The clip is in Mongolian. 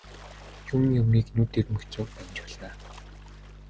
Юм юмыг нүд ирмэх зуурт амжуулна.